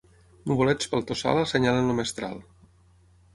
Nuvolets pel tossal assenyalen el mestral.